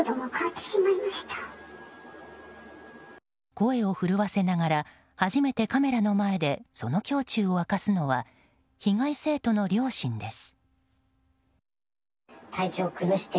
声を震わせながら初めてカメラの前でその胸中を明かすのは被害生徒の両親です。